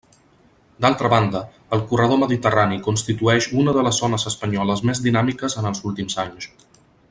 D'altra banda, el corredor mediterrani constituïx una de les zones espanyoles més dinàmiques en els últims anys.